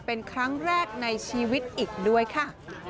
เป็นครั้งแรกในชีวิตอีกด้วยค่ะ